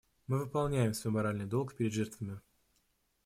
Мы выполняем свой моральный долг перед жертвами.